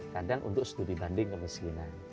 kadang untuk studi banding kemiskinan